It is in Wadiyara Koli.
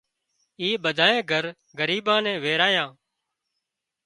اِي ٻڌانئي گھر ڳريبان نين ويرايان